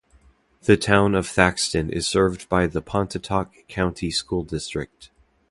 The town of Thaxton is served by the Pontotoc County School District.